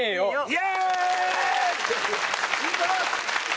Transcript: イエーイ！